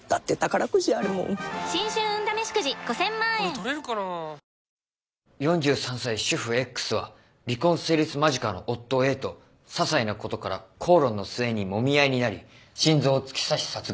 東京海上日動４３歳主婦Ｘは離婚成立間近の夫Ａとささいなことから口論の末にもみ合いになり心臓を突き刺し殺害。